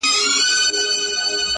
له شاتو نه دا له شرابو نه شکَري غواړي